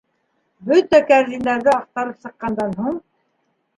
Бөтә кәрзиндәрҙе аҡтарып сыҡҡандан һуң: